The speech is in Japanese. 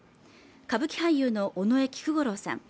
歌舞伎俳優の尾上菊五郎さん